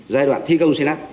giai đoạn thi công xây lắp